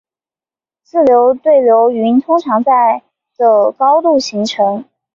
自由对流云通常在的高度形成。